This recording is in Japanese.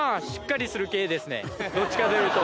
どっちかというと。